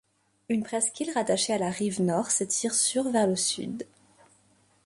Une presqu’île rattachée à la rive nord s’étire sur vers le sud.